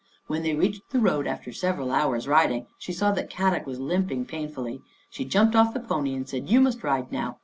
When they reached the road after several hours riding, she saw that Kadok was limping painfully. She jumped off the pony and said, " You must ride now.